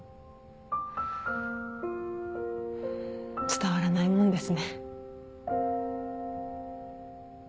伝わらないもんですね。